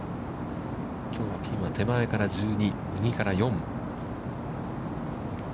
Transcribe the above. きょうピンは手前から１２、右から４。